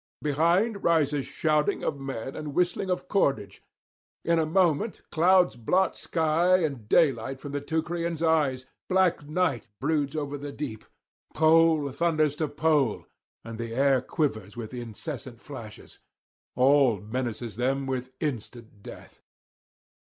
Behind rises shouting of men and whistling of cordage. In a moment clouds blot sky and daylight from the Teucrians' eyes; black night broods over the deep. Pole thunders to pole, and the air quivers with incessant flashes; all menaces them with instant death.